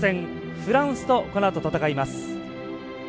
フランスとこのあと戦います。